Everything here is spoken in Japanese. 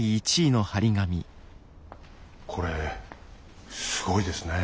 これすごいですねえ。